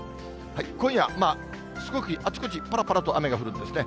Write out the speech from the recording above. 今夜、少しあちこち、ぱらぱらと雨が降るんですね。